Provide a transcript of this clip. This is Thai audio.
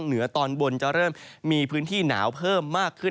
เหนือตอนบนจะเริ่มมีพื้นที่หนาวเพิ่มมากขึ้น